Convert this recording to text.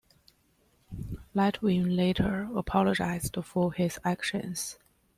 Letwin later apologised for his actions.